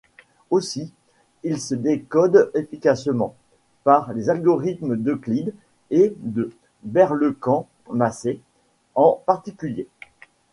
Aussi, ils se décodent efficacement, par les algorithmes d'Euclide et de Berlekamp-Massey, en particulier.